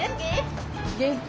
元気？